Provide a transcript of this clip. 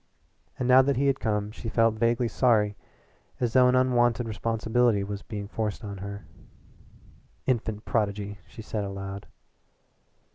And now that he had come she felt vaguely sorry as though an unwonted responsibility was being forced on her. "Infant prodigy!" she said aloud.